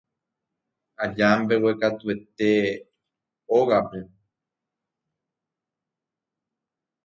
aja mbeguekatuete ógape